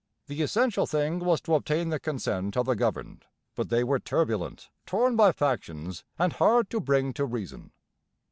The essential thing was to obtain the consent of the governed; but they were turbulent, torn by factions, and hard to bring to reason.